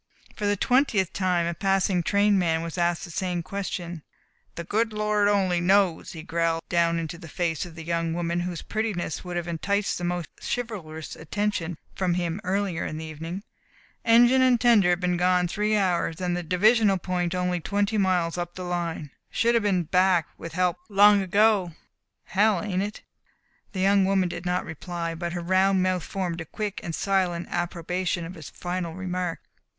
For the twentieth time a passing train man was asked the same question. "The good Lord only knows," he growled down into the face of the young woman whose prettiness would have enticed the most chivalrous attention from him earlier in the evening. "Engine and tender been gone three hours and the divisional point only twenty miles up the line. Should have been back with help long ago. Hell, ain't it?" The young woman did not reply, but her round mouth formed a quick and silent approbation of his final remark.